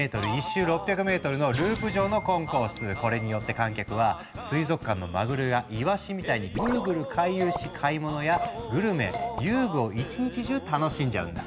それがこれによって観客は水族館のマグロやイワシみたいにグルグル回遊し買い物やグルメ遊具を１日中楽しんじゃうんだ。